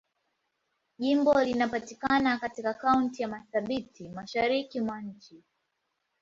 Jimbo linapatikana katika Kaunti ya Marsabit, Mashariki mwa nchi.